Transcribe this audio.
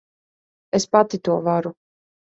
Es pati to varu.